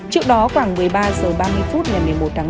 trước đó khoảng một mươi ba h ba mươi phút ngày một mươi một tháng năm